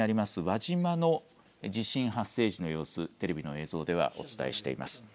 輪島の地震発生時の様子、テレビの映像ではお伝えしています。